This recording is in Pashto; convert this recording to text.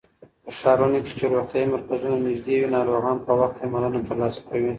په ښارونو کې چې روغتيايي مرکزونه نږدې وي، ناروغان په وخت درملنه ترلاسه کوي.